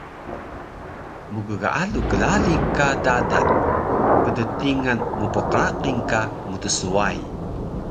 Mggaalu klaali ka dadal, pnttingan mpqraqil ka mtswai